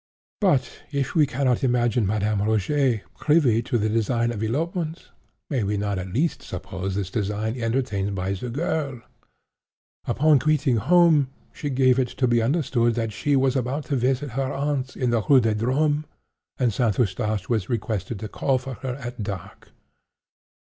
"But if we cannot imagine Madame Rogêt privy to the design of elopement, may we not at least suppose this design entertained by the girl? Upon quitting home, she gave it to be understood that she was about to visit her aunt in the Rue des Drômes and St. Eustache was requested to call for her at dark.